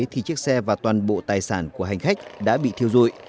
thì chiếc xe và toàn bộ tài sản của hành khách đã bị thiêu dụi